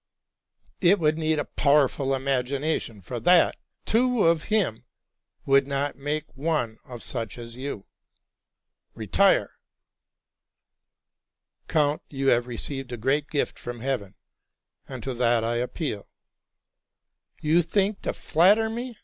' It would need a powerful imagination for that! Two of him would not make one such as you. Retire!'' '*Count, you have received a great gift from heaven; and to that I appeal.'' '* You think to flatter me!